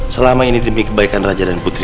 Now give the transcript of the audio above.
selama ini demi kebaikan raja dan putri